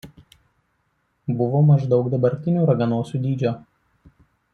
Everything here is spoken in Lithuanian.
Buvo maždaug dabartinių raganosių dydžio.